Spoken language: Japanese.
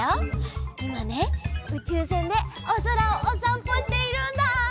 いまねうちゅうせんでおそらをおさんぽしているんだ！